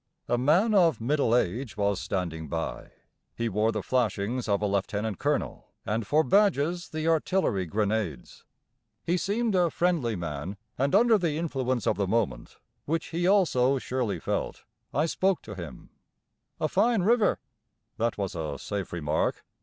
A man of middle age was standing by. He wore the flashings of a Lieutenant Colonel and for badges the Artillery grenades. He seemed a friendly man; and under the influence of the moment, which he also surely felt, I spoke to him. "A fine river," That was a safe remark.